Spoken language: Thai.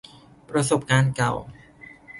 ประสบการณ์เก่า